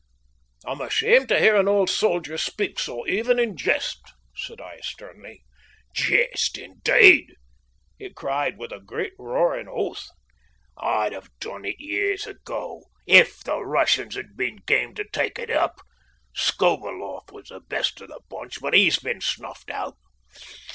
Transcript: "I am ashamed to hear an old soldier speak so, even in jest," said I sternly. "Jest, indeed!" he cried, with a great, roaring oath. "I'd have done it years ago if the Rooshians had been game to take it up. Skobeloff was the best of the bunch, but he's been snuffed out.